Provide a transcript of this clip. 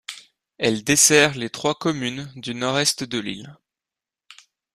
Elle dessert les trois communes du nord-est de l'île.